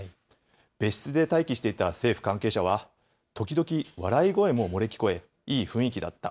別室で待機していた政府関係者は、時々笑い声も漏れ聞こえ、いい雰囲気だった。